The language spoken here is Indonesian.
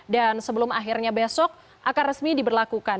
dan sebelum akhirnya besok akan resmi diberlakukan